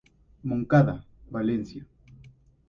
Moncada, Valencia.